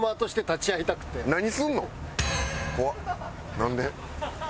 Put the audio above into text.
なんで？